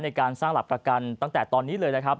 ในการสร้างหลักประกันตั้งแต่ตอนนี้เลยนะครับ